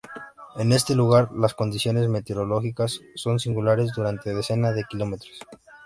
En este lugar, las condiciones meteorológicas son singulares durante decenas de kilómetros.